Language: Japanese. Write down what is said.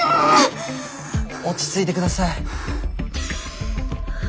落ち着いて下さい。